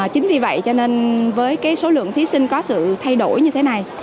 chính vì vậy cho nên với số lượng thí sinh có sự thay đổi như thế này